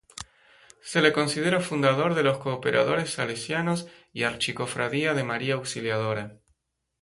Se le considera fundador de los Cooperadores Salesianos y Archicofradía de María Auxiliadora.